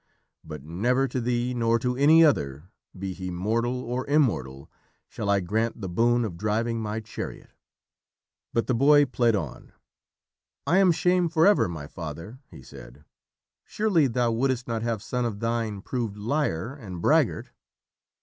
But never to thee nor to any other, be he mortal or immortal, shall I grant the boon of driving my chariot." But the boy pled on: "I am shamed for ever, my father," he said. "Surely thou wouldst not have son of thine proved liar and braggart?"